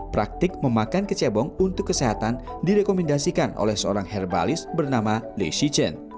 praktik memakan kecebong untuk kesehatan direkomendasikan oleh seorang herbalis bernama lee shichen